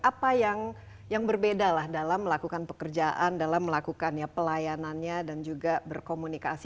apa yang berbeda dalam melakukan pekerjaan dalam melakukan pelayanannya dan juga berkomunikasi